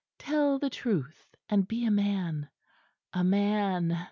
Tell the truth and be a man; a man!